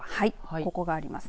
ここがあります。